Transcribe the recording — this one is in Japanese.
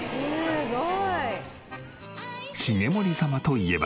すごい。